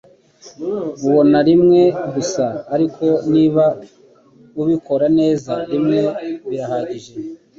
Ubaho rimwe gusa, ariko niba ubikora neza, rimwe birahagije.”